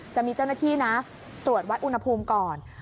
จะมีเจ้าหน้าที่นะตรวจวัดอุณหภูมิก่อน